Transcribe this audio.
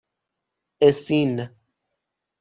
اِسین